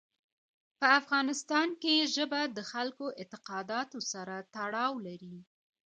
په افغانستان کې ژبې د خلکو اعتقاداتو سره تړاو لري.